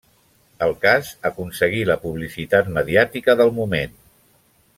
El cas aconseguí la publicitat mediàtica del moment.